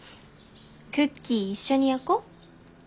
クッキー一緒に焼こ。